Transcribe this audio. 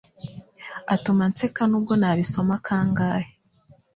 atuma nseka nubwo nabisoma kangahe